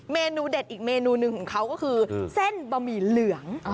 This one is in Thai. เมนูเด็ดอีกเมนูหนึ่งของเขาก็คือเส้นบะหมี่เหลือง